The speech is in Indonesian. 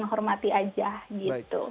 menghormati aja gitu